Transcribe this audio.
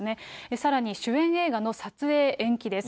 さらに、主演映画の撮影延期です。